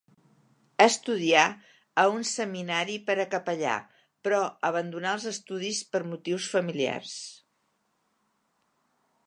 Estudià a un seminari per a capellà, però abandonà els estudis per motius familiars.